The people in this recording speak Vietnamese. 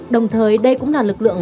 đồng thời đây cũng là lực lượng